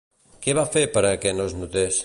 Què va fer per a què no es notés?